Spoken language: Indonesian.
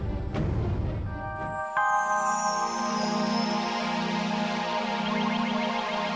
tidak ada manusia dan hewan yang bisa aku makan